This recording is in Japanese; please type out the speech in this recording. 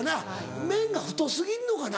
麺が太過ぎんのかな？